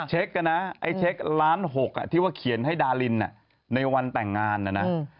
นะไอ้เช็คล้านหกที่ว่าเขียนให้ดารินในวันแต่งงานนะนะ